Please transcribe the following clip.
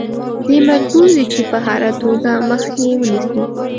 دی مجبور دی چې په هره توګه مخه یې ونیسي.